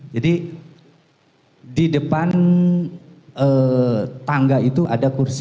jadi di depan tangga itu ada kursi